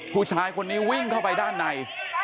ผู้ชายคนนี้วิ่งเข้าไปด้านใน